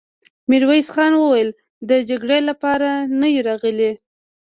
ميرويس خان وويل: د جګړې له پاره نه يو راغلي!